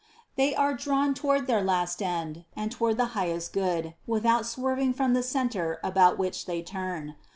They are drawn toward their last end and toward the highest good, without swerving from the center about which they turn.